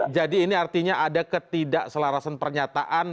jadi ini artinya ada ketidakselarasan pernyataan